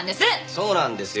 そうなんですよ。